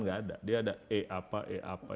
nggak ada dia ada e apa e apa